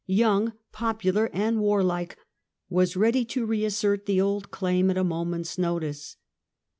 young, popular and warlike, was ready to re assert the old claim at a moment's notice.